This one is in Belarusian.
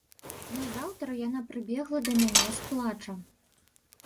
Назаўтра яна прыбегла да мяне з плачам.